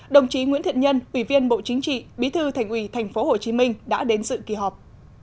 đồng chí nguyễn thiện nhân ủy viên bộ chính trị bí thư thành ủy tp hcm đã đến dự kỳ họp